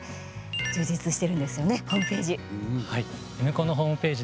充実してるんですよねホームページ。